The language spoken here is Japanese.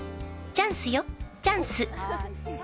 「チャンスよ、チャンス」